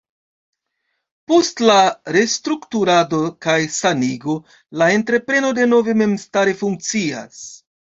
Post la restrukturado kaj sanigo, la entrepreno denove memstare funkcias.